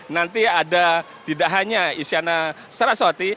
nanti ada tidak hanya isyana saraswati